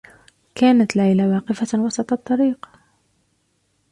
كانت ليلى واقفة وسط الطّريق.